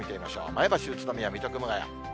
前橋、宇都宮、水戸、熊谷。